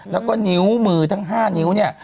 แล้วก็นิ้วมือทั้ง๕นิ้วเนี่ย